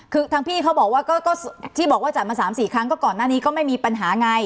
คือทางพี่เขาบอกว่าก็ที่บอกว่าจัดมา๓๔ครั้งก็ก่อนหน้านี้ก็ไม่มีปัญหาไง